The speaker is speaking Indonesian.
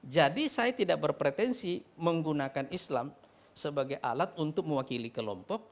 jadi saya tidak berpretensi menggunakan islam sebagai alat untuk mewakili kelompok